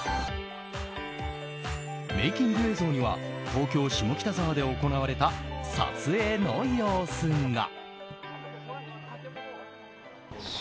メイキング映像には東京・下北沢で行われた撮影の様子が。